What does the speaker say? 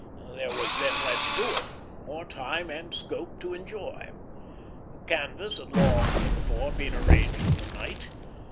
There was then less doing; more time and scope to enjoy. The canvas had long before been arranged for the night.